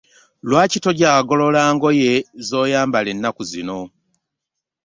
Lwaki tokyagolola ngoye z'oyambala ennaku zino?